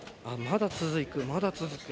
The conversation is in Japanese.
まだ続く。